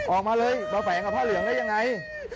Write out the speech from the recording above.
ออกมาเลยมาแฝงกับผ้าเหลืองได้ยังไง